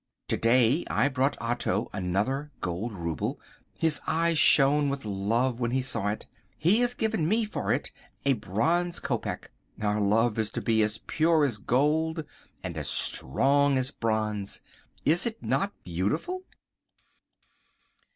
To day I brought Otto another gold rouble. His eyes shone with love when he saw it. He has given me for it a bronze kopek. Our love is to be as pure as gold and as strong as bronze. Is it not beautiful?